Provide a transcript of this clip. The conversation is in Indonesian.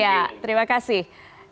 ya terima kasih